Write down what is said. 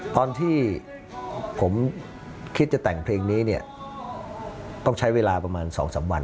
ตอนที่ผมคิดจะแต่งเพลงนี้เนี่ยต้องใช้เวลาประมาณ๒๓วัน